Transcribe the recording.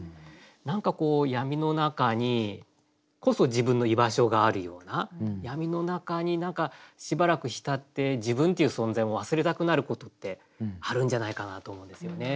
何かこう闇の中にこそ自分の居場所があるような闇の中に何かしばらく浸って自分という存在を忘れたくなることってあるんじゃないかなと思うんですよね。